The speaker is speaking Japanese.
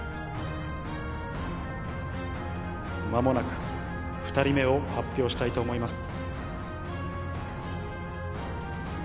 まもなく２人目を発表したいと思います。